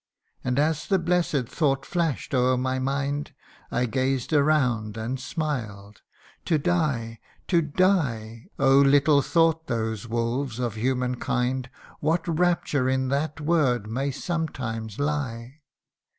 And as the blessed thought flash'd o'er my mind, I gazed around, and smiled. To die to die Oh little thought those wolves of human kind, What rapture in that word may sometimes lie